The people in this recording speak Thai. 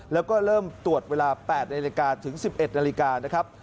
แล้วก็เริ่มตรวจเวลา๘นาฬิกาถึง๑๑นาฬิกานะครับ